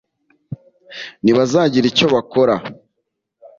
ntibazagira icyo bakora